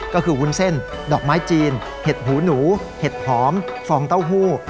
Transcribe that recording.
ก็คือวุ้นเส้นดอกไม้จีนเห็ดหูหนูเห็ดหอมฟองเต้าหู้